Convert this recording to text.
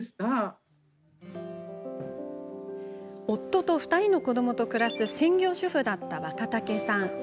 夫と２人の子どもと暮らす専業主婦だった若竹さん。